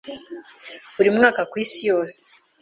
Buri mwaka, ku isi yose